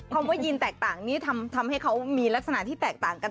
คำว่ายีนแตกต่างนี้ทำให้เขามีลักษณะที่แตกต่างกัน